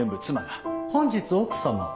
本日奥様は？